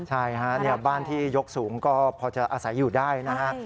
ใช่ฮะบ้านที่ยกสูงก็พอจะอาศัยอยู่ได้นะฮะ